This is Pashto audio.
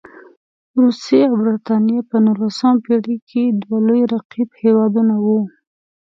روسیې او برټانیې په نولسمه پېړۍ کې دوه لوی رقیب هېوادونه وو.